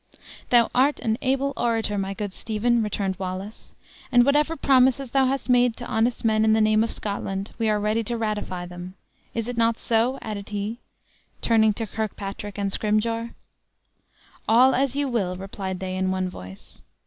"Thou art an able orator, my good Stephen," returned Wallace; "and whatever promises thou hast made to honest men in the name of Scotland, we are ready to ratify them. Is it not so?" added he, turning to Kirkpatrick and Scrymgeour. "All as you will," replied they in one voice.